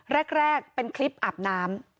แรกเป็นคลิปอาบน้ำ